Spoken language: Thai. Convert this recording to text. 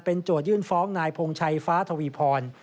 โจทยื่นฟ้องนายพงชัยฟ้าทวีพร